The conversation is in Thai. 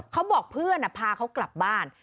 เขาบอกเพื่อนพาเขากลับบ้าน